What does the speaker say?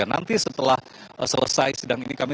dan nanti setelah selesai sedang ini kami